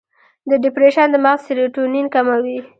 د ډیپریشن د مغز سیروټونین کموي.